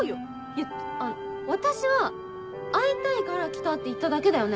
いや私は「会いたいから来た」って言っただけだよね？